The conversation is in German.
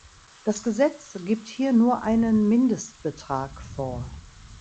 Das Gesetz gibt hier nur einen Mindestbetrag vor.